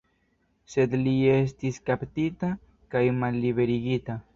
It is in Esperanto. Sed li estis kaptita kaj malliberigita.